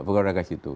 bukan warga situ